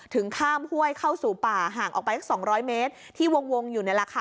ข้ามห้วยเข้าสู่ป่าห่างออกไปสัก๒๐๐เมตรที่วงอยู่นี่แหละค่ะ